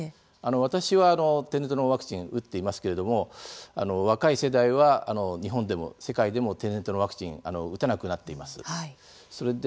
私は、天然痘のワクチン打っていますけれども若い世代は、日本でも世界でも天然痘のワクチン打てなくなっています。